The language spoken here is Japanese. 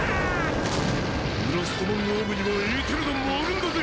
ブラストマンアームにはエーテル弾もあるんだぜ！